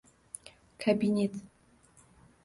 Кabinet